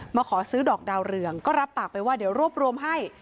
มาขอซื้อดอกดาวเรืองก็รับปากไปว่าเดี๋ยวรวบรวมให้